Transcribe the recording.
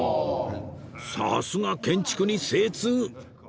さすが建築に精通